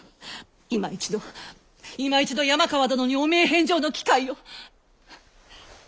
いま一度いま一度山川殿に汚名返上の機会を。